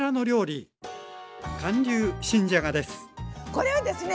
これはですね